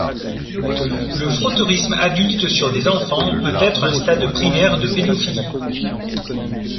Le frotteurisme adulte sur des enfants peut être un stade primaire de pédophilie.